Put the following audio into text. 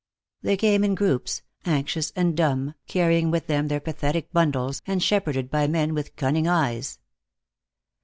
They came in groups, anxious and dumb, carrying with them their pathetic bundles, and shepherded by men with cunning eyes.